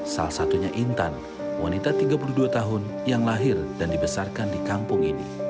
salah satunya intan wanita tiga puluh dua tahun yang lahir dan dibesarkan di kampung ini